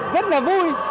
rất là vui